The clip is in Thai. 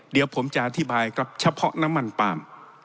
เดี๋ยวผมจะอธิบายกับเฉพาะน้ำมันปาล์ม